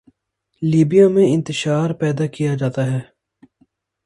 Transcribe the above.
Libya میں انتشار پیدا کیا جاتا ہے۔